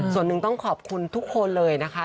ส่วนหนึ่งต้องขอบคุณทุกคนเลยนะคะ